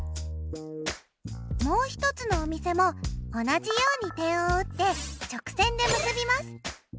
もう一つのお店も同じように点を打って直線で結びます。